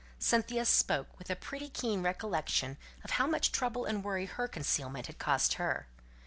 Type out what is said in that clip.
Cynthia spoke with a pretty keen recollection of how much trouble and worry her concealment had cost her.